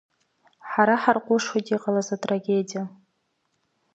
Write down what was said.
Ҳара ҳарҟәышуеит иҟалаз атрагедиа.